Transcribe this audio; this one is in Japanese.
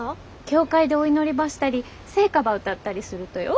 教会でお祈りばしたり聖歌ば歌ったりするとよ。